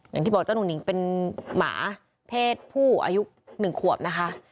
อย่างที่บอกเจ้าหนูหนิงเป็นหมาเพศผู้อายุ๑ขวบนะคะ